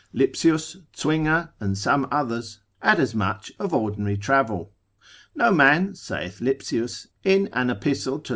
Lipsius, Zuinger, and some others, add as much of ordinary travel. No man, saith Lipsius, in an epistle to Phil.